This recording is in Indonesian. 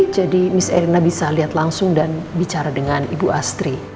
mis erina bisa lihat langsung dan bicara dengan ibu astri